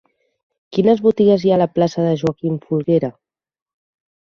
Quines botigues hi ha a la plaça de Joaquim Folguera?